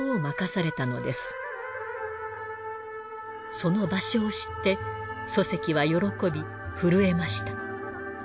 その場所を知って疎石は喜び震えました。